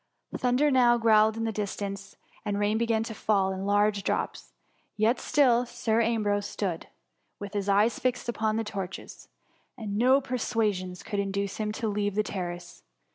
Thunder now growled in the distance, and rain began to fall in large drops; yet still Sir Ambrose stood, with his eyes fixed upon the torches, and no persuasions could induce him to leave the ter race.